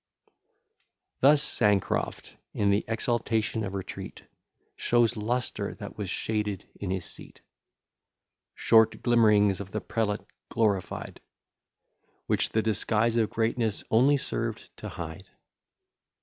XI Thus Sancroft, in the exaltation of retreat, Shows lustre that was shaded in his seat; Short glimm'rings of the prelate glorified; Which the disguise of greatness only served to hide.